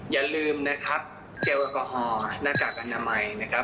อย่าลืมเจลแอลกอฮอล์หน้ากากอนามัย